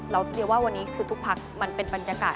เรียกว่าวันนี้คือทุกพักมันเป็นบรรยากาศ